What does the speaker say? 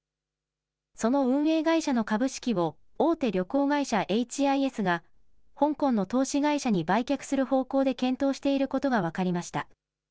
その運営会社の株式を大手旅行会社、エイチ・アイ・エスが香港の投資会社に売却する方向で検討していることが分かりました。